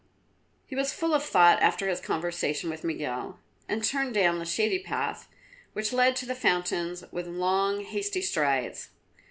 He was full of thought after his conversation with Miguel, and turned down the shady path which led to the fountains with long, hasty strides.